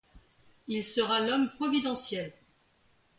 Il sera l'homme providentiel.